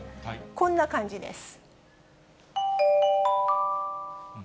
こんな感じです。